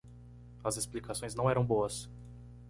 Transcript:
As explicações não eram boas.